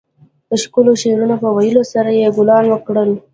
د ښکلو شعرونو په ويلو سره يې ګلان وکرل.